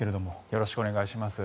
よろしくお願いします。